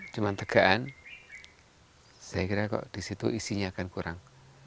cuma tegaan saya kira kok di situ isinya akan kurang